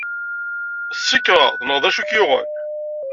Tsekṛed neɣ d acu ay k-yuɣen?